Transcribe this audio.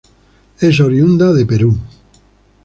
Es oriunda de Perú.